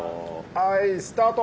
はいスタート。